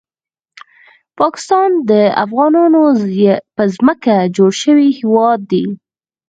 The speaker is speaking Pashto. پاکستان د افغانانو په ځمکه جوړ شوی هیواد دی